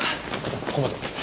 ここまでです。